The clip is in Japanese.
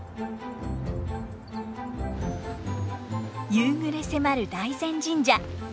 夕暮れ迫る大膳神社。